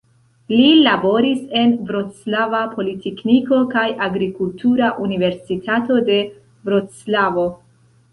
Li laboris en Vroclava Politekniko kaj Agrikultura Universitato de Vroclavo.